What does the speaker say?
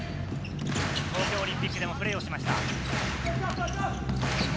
東京オリンピックでもプレーしました。